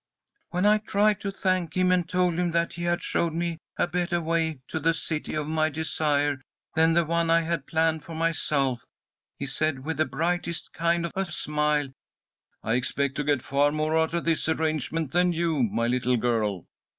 "When I tried to thank him, and told him that he had showed me a better way to the City of my Desire than the one I had planned for myself, he said, with the brightest kind of a smile, 'I expect to get far more out of this arrangement than you, my little girl.